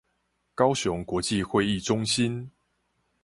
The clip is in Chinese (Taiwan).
高雄國際會議中心